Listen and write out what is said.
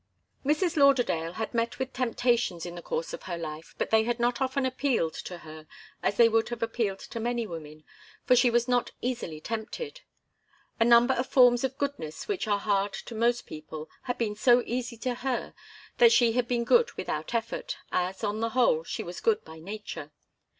Mrs. Lauderdale had met with temptations in the course of her life, but they had not often appealed to her as they would have appealed to many women, for she was not easily tempted. A number of forms of goodness which are very hard to most people had been so easy to her that she had been good without effort, as, on the whole, she was good by nature.